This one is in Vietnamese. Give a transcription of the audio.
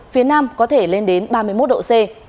phía nam có thể lên đến ba mươi một độ c